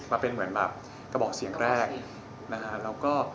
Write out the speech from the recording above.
มาเป็นแบบกระบอกเสียงแรก